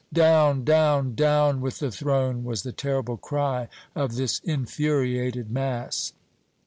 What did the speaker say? "Down down down with the Throne!" was the terrible cry of this infuriated mass.